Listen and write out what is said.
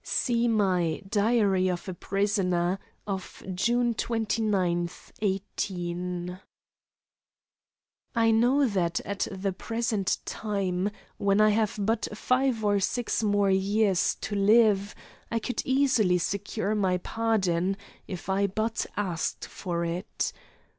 (See my "Diary of a Prisoner" of June 29, 18 .) I know that at the present time, when I have but five or six more years to live, I could easily secure my pardon if I but asked for it.